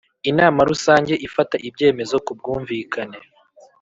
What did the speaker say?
Inama Rusange ifata ibyemezo ku bwumvikane